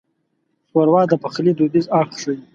ښوروا د پخلي دودیز اړخ ښيي.